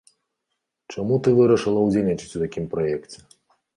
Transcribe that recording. Чаму ты вырашыла ўдзельнічаць у такім праекце?